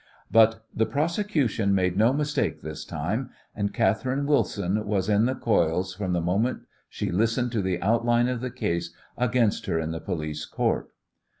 But the prosecution made no mistake this time, and Catherine Wilson was in the coils from the moment she listened to the outline of the case against her at the Police Court.